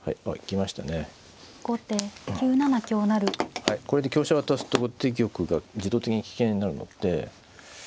はいこれで香車渡すと後手玉が自動的に危険になるので。